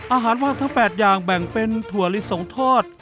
อาหารว่างทั้ง๘อย่างแบ่งเป็นถั่วลิสงทอด